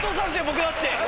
僕だって。